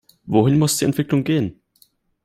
Wohin muss die Entwicklung gehen?